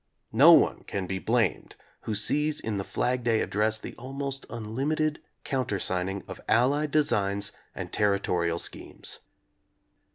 No one can be blamed who sees in the Flag Day Address the almost unlimited countersigning of Allied designs and territorial schemes.